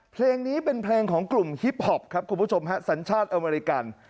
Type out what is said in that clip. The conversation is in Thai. เพลงนี้เป็นเพลงของกลุ่มฮิปพอปครับคุณผู้ชมฮะสัญชาติอเมริกัน